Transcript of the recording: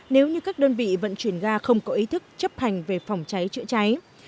nếu như các đơn vị vận chuyển ga không có ý thức chấp hành về phòng cháy chữa cháy